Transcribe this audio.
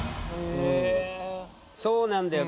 そうなんだよ。